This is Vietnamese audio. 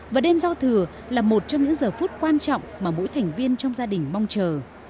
và đêm giao thừa là một trong những giờ phút quan trọng mà mỗi thành viên trong gia đình mong chờ